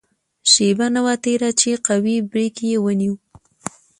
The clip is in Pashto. شېبه نه وه تېره چې قوي بریک یې ونیو.